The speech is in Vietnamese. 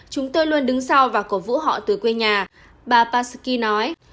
chúng tôi luôn đứng sau và cổ vũ họ từ quê nhà bà pashki nói